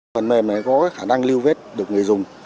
phần mềm này có khả năng lưu vết được người dùng